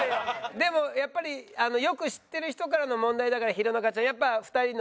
でもやっぱりよく知ってる人からの問題だから弘中ちゃんやっぱ２人のね